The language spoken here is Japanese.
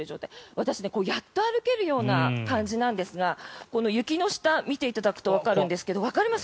私、やっと歩けるような感じなんですが雪の下を見ていただくとわかるんですがわかります？